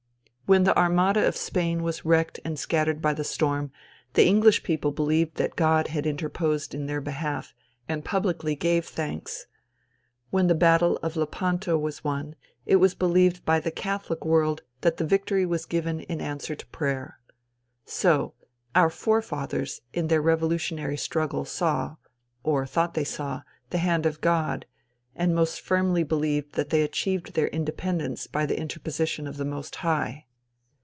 When the Armada of Spain was wrecked and scattered by the storm, the English people believed that God had interposed in their behalf, and publicly gave thanks. When the battle of Lepanto was won, it was believed by the catholic world that the victory was given in answer to prayer. So, our fore fathers in their revolutionary struggle saw, or thought they saw, the hand of God, and most firmly believed that they achieved their independence by the interposition of the Most High.